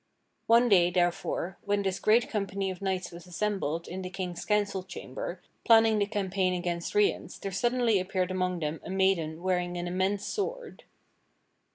One day, therefore, when this great company of knights was assembled in the King's council chamber planning the campaign against Rience there suddenly appeared among them a maiden wearing an immense sword.